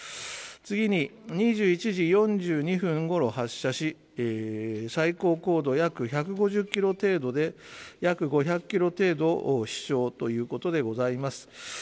次に、２１時４２分ごろ発射し最高高度、約１５０ｋｍ程度で約５００ｋｍ程度飛翔ということでございます。